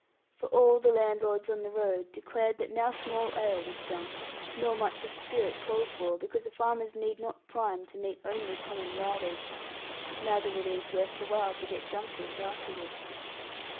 For all the landlords on the road declared that now small ale was drunk, nor much of spirits called for, because the farmers need not prime to meet only common riders, neither were these worth the while to get drunk with afterwards.